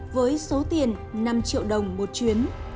với số tiền năm triệu đồng một chuyến